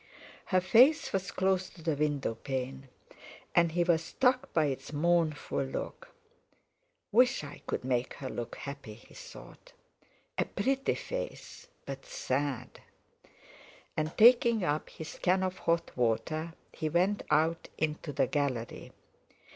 Her face was close to the window pane, and he was struck by its mournful look. "Wish I could make her look happy!" he thought. "A pretty face, but sad!" And taking up his can of hot water he went out into the gallery.